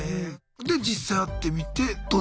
で実際会ってみてどうでした？